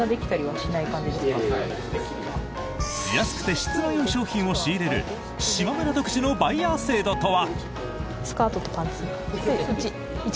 安くて質のいい商品を仕入れるしまむら独自のバイヤー制度とは？